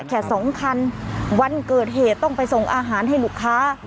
แค่สองคันวันเกิดเหตุต้องไปส่งอาหารให้ลูกค้า